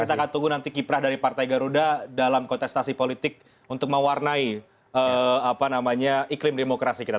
kita akan tunggu nanti kiprah dari partai garuda dalam kontestasi politik untuk mewarnai iklim demokrasi kita